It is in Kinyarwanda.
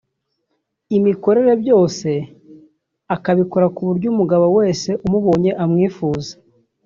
imikorere byose akabikora ku buryo umugabo wese umubonye amwifuza